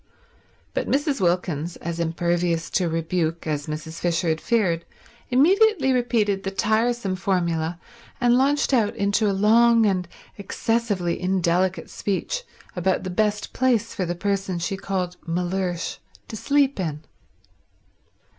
But Mrs. Wilkins, as impervious to rebuke as Mrs. Fisher had feared, immediately repeated the tiresome formula and launched out into a long and excessively indelicate speech about the best place for the person she called Mellersh to sleep in.